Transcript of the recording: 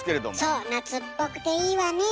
そう夏っぽくていいわねえ。